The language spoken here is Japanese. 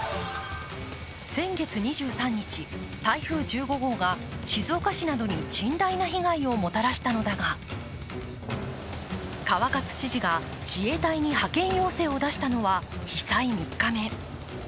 先月２３日、台風１５号が静岡市などに甚大な被害をもたらしたのだが、川勝知事が自衛隊に派遣要請を出したのは被災３日目。